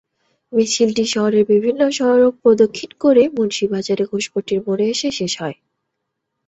মিছিলটি শহরের বিভিন্ন সড়ক প্রদক্ষিণ করে মুন্সিবাজারে ঘোষপট্টির মোড়ে এসে শেষ হয়।